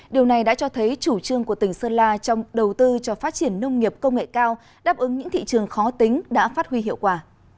điều này đã cho thấy chủ trương của tỉnh sơn la trong đầu tư cho phát triển nông nghiệp công nghệ cao đáp ứng những thị trường khó tính đã phát huy hiệu quả